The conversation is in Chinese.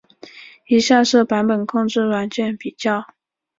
以下是版本控制软件比较。